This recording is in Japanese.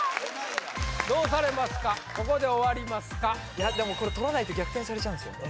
いやでもこれとらないと逆転されちゃうんですよね